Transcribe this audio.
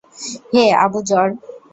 হে Abu যর!